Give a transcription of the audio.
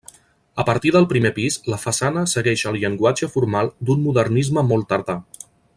A partir del primer pis la façana segueix el llenguatge formal d'un modernisme molt tardà.